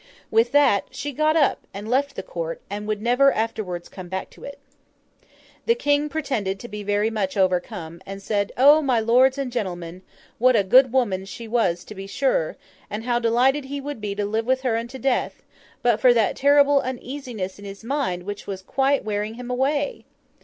With that, she got up and left the court, and would never afterwards come back to it. The King pretended to be very much overcome, and said, O! my lords and gentlemen, what a good woman she was to be sure, and how delighted he would be to live with her unto death, but for that terrible uneasiness in his mind which was quite wearing him away!